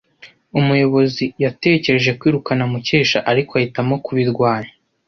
Umuyobozi yatekereje kwirukana Mukesha, ariko ahitamo kubirwanya.